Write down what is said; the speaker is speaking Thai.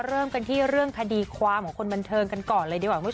เริ่มกันที่เรื่องคดีความของคนบัญเทิงกันก่อน